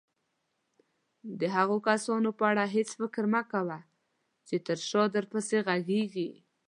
د هغه کسانو په اړه هيڅ فکر مه کوه چې تر شاه درپسې غږيږي.